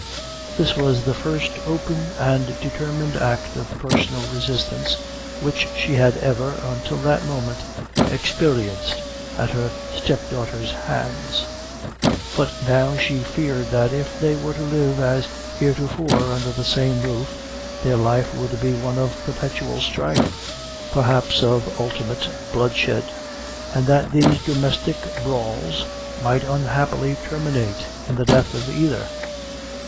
This was the first open and determined act of personal resistance which she had ever, until that moment, experienced at her step daughter's hands; but now she feared that, if they were to live, as heretofore, under the same roof, their life would be one of perpetual strife perhaps of ultimate bloodshed and that these domestic brawls might unhappily terminate in the death of either.